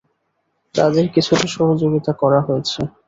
তাঁদের কিছুটা সহযোগিতা করা হয়েছে।